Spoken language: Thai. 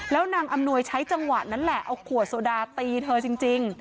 แล้วนางอำนวยใช้จังหวะนั้นแหละเอาขวดโซดาตีเธอจริง